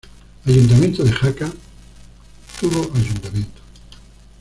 Ayto de Jaca, tuvo Ayto.